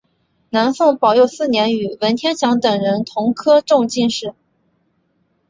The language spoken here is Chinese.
南宋宝佑四年与文天祥等人同科中进士。